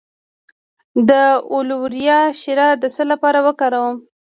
د الوویرا شیره د څه لپاره وکاروم؟